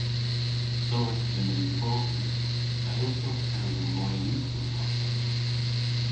"Soweth, linen dhrog yw. A yllsowgh kewsel moy yn ughel, mar pleg?"